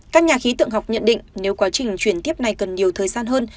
các nhà khí tượng học nhận định nếu quá trình chuyển tiếp này cần nhiều thời gian hơn